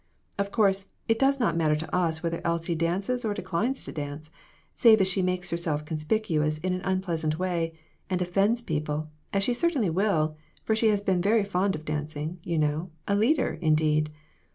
Of course, it does not matter to us whether Elsie dances or declines to dance, save as she makes herself conspicuous in an unpleasant way, and offends people, as she cer tainly will, for she has been very fond of dancing, you know a leader, indeed.